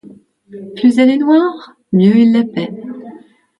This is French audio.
Plus elle est noire, mieux ils la paient.